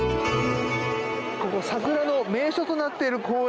ここ桜の名所となっている公園